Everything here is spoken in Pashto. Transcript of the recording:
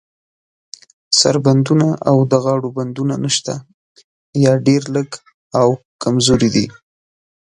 سر بندونه او د غاړو بندونه نشته، یا ډیر لږ او کمزوري دي.